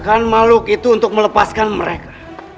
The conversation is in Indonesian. bahkan makhluk itu untuk melepaskan mereka